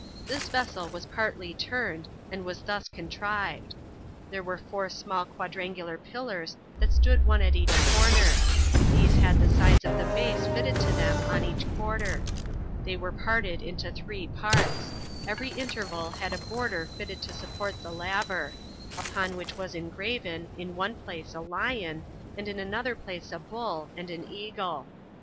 This vessel was partly turned, and was thus contrived: There were four small quadrangular pillars that stood one at each corner; these had the sides of the base fitted to them on each quarter; they were parted into three parts; every interval had a border fitted to support [the laver]; upon which was engraven, in one place a lion, and in another place a bull, and an eagle.